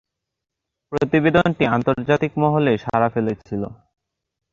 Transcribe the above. প্রতিবেদনটি আন্তর্জাতিক মহলে সাড়া ফেলেছিল।